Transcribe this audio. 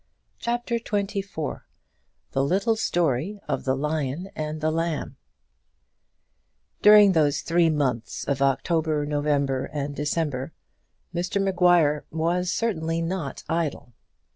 CHAPTER XXIV The Little Story of the Lion and the Lamb During those three months of October, November, and December, Mr Maguire was certainly not idle.